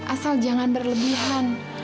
asal jangan berlebihan